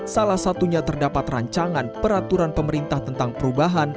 salah satunya terdapat rancangan peraturan pemerintah tentang perubahan